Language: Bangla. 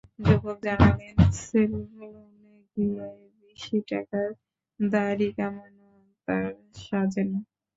যুবক জানালেন, সেলুনে গিয়ে বেশি টাকায় দাড়ি কামানো তাঁর সাজে না।